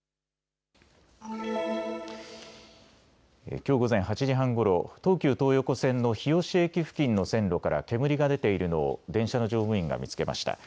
きょう午前８時半ごろ、東急東横線の日吉駅付近の線路から煙が出ているのを電車の乗務員が見つけました。